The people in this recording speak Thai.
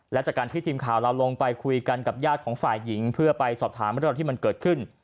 และจากการที่ทีมข่าวเราลงไปคุยกันกับญาติของฝ่ายหญิงเพื่อไปสอบถามเรื่องราวที่มันเกิดขึ้น